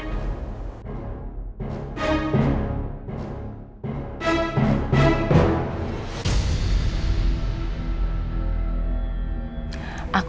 mas bayu dan aku